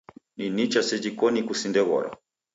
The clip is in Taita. Ni nicha seji koni kusindeghora.